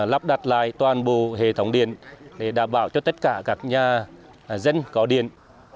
lắp đặt lại toàn bộ hệ thống điện để đảm bảo cho tất cả các nhà dân có điện